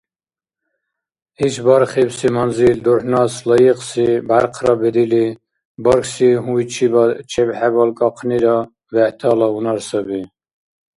Иш бархибси манзил дурхӀнас лайикьси бяркъра бедили, бархьси гьуйчибад чебхӀебалкӀахънира бегӀтала гьунар саби.